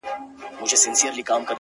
شکر دی گراني چي زما له خاندانه نه يې ـ